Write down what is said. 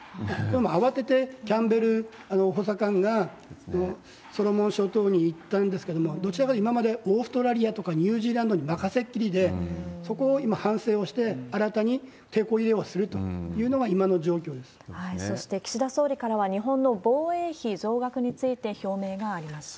もう慌ててキャンベル補佐官がソロモン諸島に行ったんですけれども、どちらかというと、今までオーストラリアとかニュージーランドに任せっきりで、そこを今、反省をして、新たにてこ入れをするというのが、今の状況でそして、岸田総理からは、日本の防衛費増額について表明がありました。